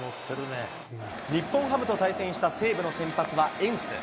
日本ハムと対戦した西武の先発はエンス。